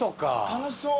楽しそう。